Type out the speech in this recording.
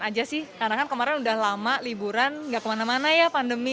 aja sih karena kan kemarin udah lama liburan gak kemana mana ya pandemi